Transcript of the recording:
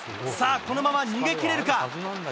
このまま逃げ切れるか。